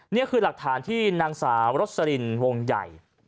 นี่คือหลักฐานที่นางสาวรสลินวงใหญ่